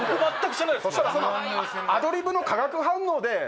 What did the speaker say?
アドリブの化学反応で。